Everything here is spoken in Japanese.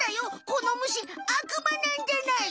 このむしあくまなんじゃない！